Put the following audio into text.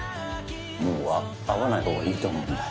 もうあ会わないほうがいいと思うんだ。